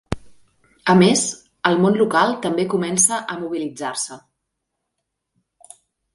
A més, el món local també comença a mobilitzar-se.